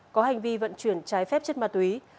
có hành vi vận chuyển trái phép trên bà túy